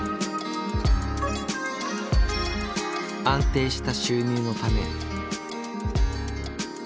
安定した収入のため。